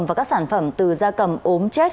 và các sản phẩm từ da cầm ốm chết